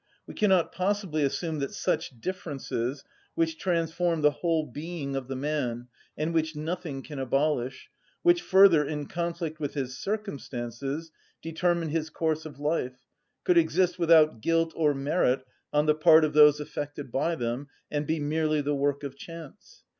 We cannot possibly assume that such differences, which transform the whole being of the man, and which nothing can abolish, which, further, in conflict with his circumstances, determine his course of life, could exist without guilt or merit on the part of those affected by them, and be merely the work of chance.